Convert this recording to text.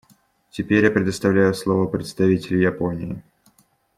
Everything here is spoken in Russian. Теперь я предоставляю слово представителю Японии.